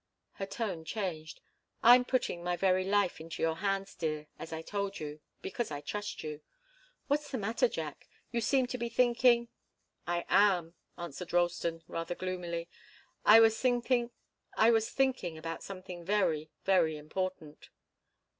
Her tone changed. "I'm putting my very life into your hands, dear, as I told you, because I trust you. What's the matter, Jack? You seem to be thinking " "I am," answered Ralston, rather gloomily. "I was thinking about something very, very important."